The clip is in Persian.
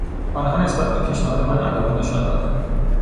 آنها نسبت به پیشنهاد من علاقه نشان دادند.